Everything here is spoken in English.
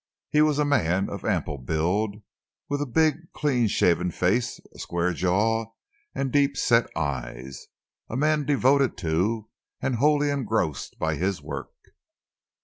He was a man of ample build, with a big, clean shaven face, a square jaw and deep set eyes, a man devoted to and wholly engrossed by his work.